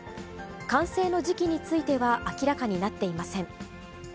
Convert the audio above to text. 完成の時期については明らかになっていません。